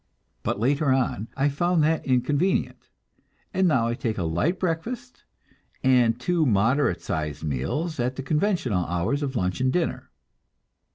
But later on I found that inconvenient, and now I take a light breakfast, and two moderate sized meals at the conventional hours of lunch and dinner.